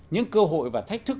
những cơ hội và thách thức